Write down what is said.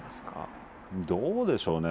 どうでしょうね。